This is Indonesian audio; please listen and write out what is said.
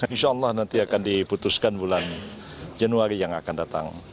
insya allah nanti akan diputuskan bulan januari yang akan datang